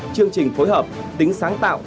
chương trình phối hợp tính sáng tạo